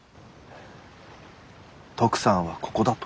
トクさんは「ここだ」と。